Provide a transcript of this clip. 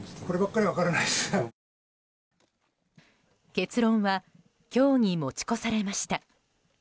結論は今日に持ち越されました。